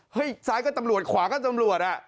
เฮ้ยซ้ายก็ตำรวจขวาก็ตำรวจ